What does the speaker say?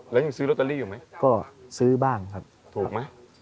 แล้วยังซื้อลอตเตอรี่อยู่ไหมก็ซื้อบ้างครับถูกไหม